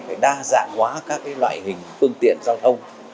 để đa dạng hóa các loại hình phương tiện giao thông